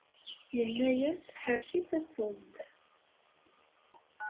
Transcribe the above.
Yenna-yas ḥerrek-itt ad teẓḍ.